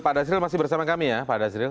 pak dasril masih bersama kami ya pak dasril